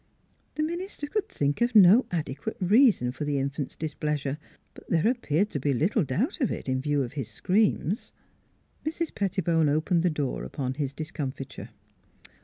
The min ister could think of no adequate reason for the infant's displeasure, but there appeared to be little doubt of it in view of his screams. Mrs. Pettibone opened the door upon his discomfiture.